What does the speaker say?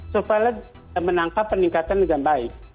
surveillance menangkap peningkatan dengan baik